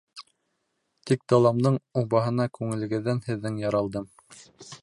Тик даламдың убаһына Күңелегеҙҙән һеҙҙең яралдым.